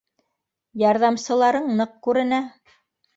Ярҙамсыларың ныҡ күренә